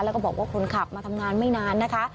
แล้วก็บอกว่าคนขับมาทำงานไม่นานนะคะ